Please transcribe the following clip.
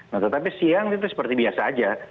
nah tetapi siang itu seperti biasa aja